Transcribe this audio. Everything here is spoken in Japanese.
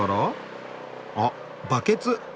あっバケツ！